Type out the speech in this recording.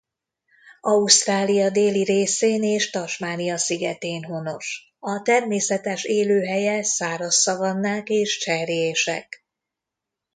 Ausztrália déli részén és Tasmania szigetén honos.A természetes élőhelye száraz szavannák és cserjések.